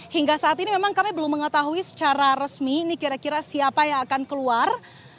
hingga saat ini memang kami belum mengetahui secara resmi ini kira kira siapa yang akan keluar